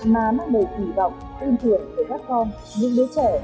mà mắc đầy kỳ vọng tin thưởng về các con những đứa trẻ